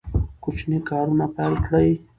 کوچني کارونه پیل کړئ.